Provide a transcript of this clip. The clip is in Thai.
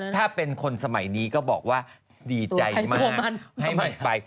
ถ้าเป็นคนสมัยนี้ก็บอกว่าดีใจมากให้หมดไป